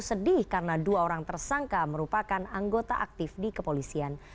jadi kita tahan berapa berapa hari ke depan